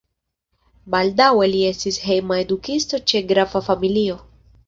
Baldaŭe li estis hejma edukisto ĉe grafa familio.